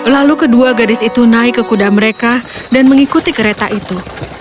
lalu kedua gadis itu naik ke kuda mereka dan mengikuti kereta itu